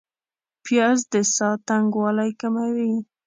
پیاز د ساه تنګوالی کموي